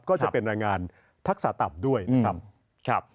ก็จะเป็นแรงงานทักษะต่ำด้วยนะครับ